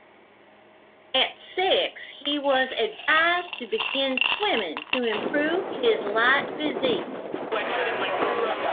At six, he was advised to begin swimming to improve his light physique.